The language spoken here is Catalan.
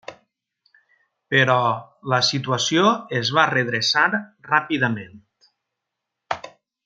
Però la situació es va redreçar ràpidament.